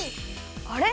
あれ？